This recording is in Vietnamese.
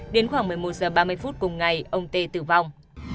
đến khoảng một mươi một h ba mươi cùng ngày ông t tử vong